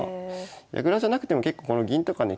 矢倉じゃなくても結構この銀とかね